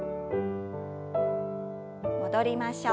戻りましょう。